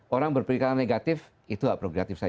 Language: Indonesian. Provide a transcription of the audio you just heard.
orang berperikalan negatif itu lah progresif saja